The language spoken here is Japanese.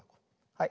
はい。